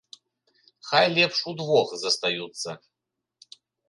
Хай лепш удвох застаюцца!